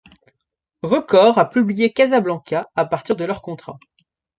Records a publié Casablanca à partir de leur contrat.